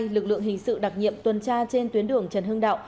lực lượng hình sự đặc nhiệm tuần tra trên tuyến đường trần hưng đạo